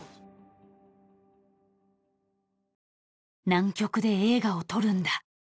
［「南極で映画を撮るんだ」］